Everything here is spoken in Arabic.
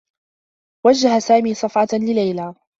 وجّه سامي صفعة لليلى.